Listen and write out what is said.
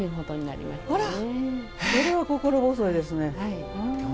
それは心細いですね。